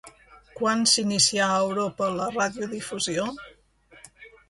Quan s'inicià a Europa la radiodifusió?